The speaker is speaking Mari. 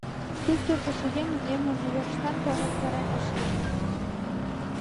Сусыргышо еҥым эмлыме верыштат тырлыктарен ышт керт.